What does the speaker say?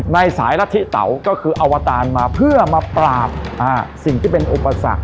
ในสายละทิเตาก็คืออวตารมาเพื่อมาปราบสิ่งที่เป็นอุปสรรค